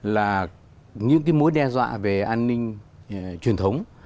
là những cái mối đe dọa về an ninh truyền thống